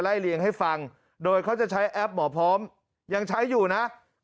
เลียงให้ฟังโดยเขาจะใช้แอปหมอพร้อมยังใช้อยู่นะ